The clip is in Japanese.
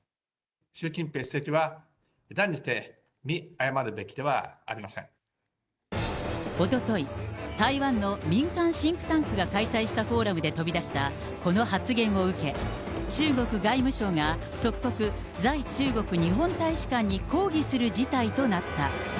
習近平主席は、おととい、台湾の民間シンクタンクが開催したフォーラムで飛び出したこの発言を受け、中国外務省が即刻、在中国日本大使館に抗議する事態となった。